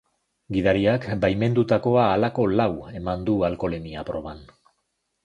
Gidariak baimendutakoa halako lau eman du alkoholemia proban.